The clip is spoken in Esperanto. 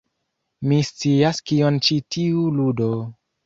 Mi scias kion ĉi tiu ludo...